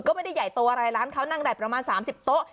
ก็ไม่ได้ใหญ่โตอะไรร้านเขานั่งได้ประมาณ๓๐โต๊ะ